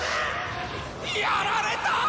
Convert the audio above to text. ・やられた！